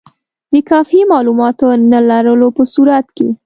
د کافي معلوماتو نه لرلو په صورت کې.